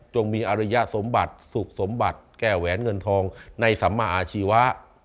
มีอริยสมบัติสุขสมบัติแก้แหวนเงินทองในสัมมาอาชีวะ